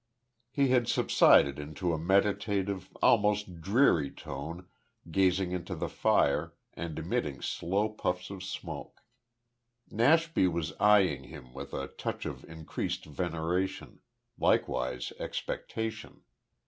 He had subsided into a meditative, almost dreamy tone, gazing into the fire, and emitting slow puffs of smoke. Nashby was eyeing him with a touch of increased veneration likewise expectation.